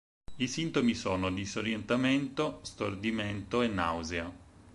I sintomi sono disorientamento, stordimento e nausea.